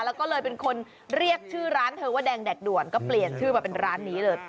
แล้วก็เลยเป็นคนเรียกชื่อร้านเธอว่าแดงแดกด่วนก็เปลี่ยนชื่อมาเป็นร้านนี้เลย